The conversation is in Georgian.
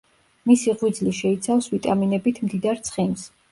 მისი ღვიძლი შეიცავს ვიტამინებით მდიდარ ცხიმს.